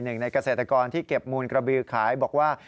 หนึ่งในเกษตรกรที่เก็บมูลกระบือขายบอกว่า